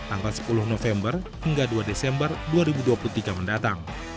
tanggal sepuluh november hingga dua desember dua ribu dua puluh tiga mendatang